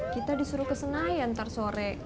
kita disuruh ke senayan ntar sore